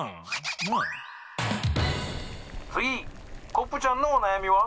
コップちゃんのおなやみは？」。